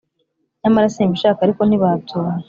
nyamara simbishaka ariko ntibabyumva!